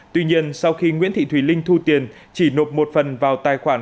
tuy nhiên sau khi nguyễn thị thùy linh thu tiền chỉ nộp một phần vào tài khoản